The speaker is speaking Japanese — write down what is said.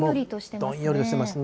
どんよりしてますね。